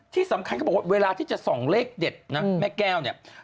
ที่สำคัญเขาบอกว่าเวลาที่จะส่องเลขเด็ดนะแม่แก้วเนี่ย